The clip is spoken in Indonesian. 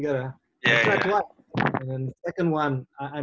ketika itu saya menang